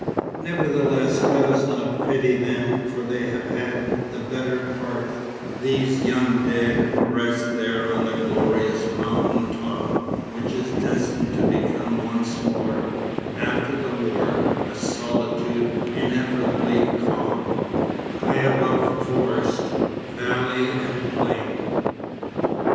Nevertheless let us not pity them, for they have had the better part, these young dead who rest there on that glorious mountain top which is destined to become once more, after the war, a solitude ineffably calm, high above forest, valley and plain.